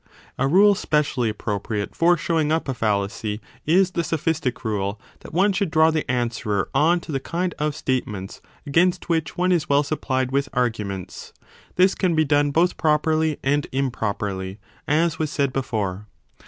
25 A rule specially appropriate for showing up a fallacy is the sophistic rule, that one should draw the answerer on to the kind of statements against which one is well supplied with arguments: this can 1 be done both properly and improperly, as was said before.